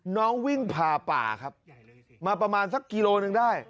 น้องวิ่งผ่าป่าครับมาประมาณสักกิโลหนึ่งได้